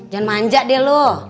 jangan manja deh lo